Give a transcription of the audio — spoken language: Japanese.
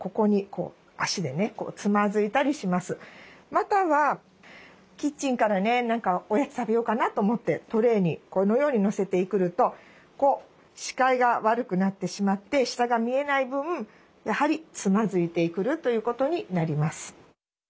またはキッチンからねおやつ食べようかなと思ってトレーにこのように載せてくると視界が悪くなってしまって下が見えない分やはりつまずいてくることになります。